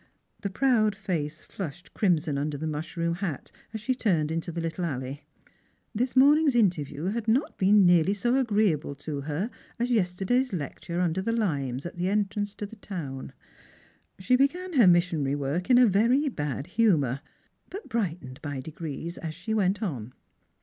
The proud face flushed crimson under the mushroom hat as she turned into the little alley. This morning's interview had not been nearly so agreeable to her as yesterday's lecture under the limes at the entrance to the town. She began her missionary work in a very bad humour; but brightened by degrees as she went on.